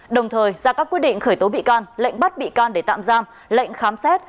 đồng thời ra các quyết định khởi tố bị can lệnh bắt bị can để tạm giam lệnh khám xét